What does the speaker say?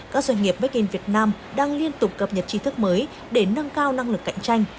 các doanh nghiệp made in vietnam đang liên tục cập nhật trí thức mới để nâng cao năng lực cạnh tranh